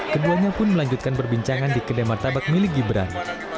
keduanya pun melanjutkan perbincangan di kedai martabak milik gibran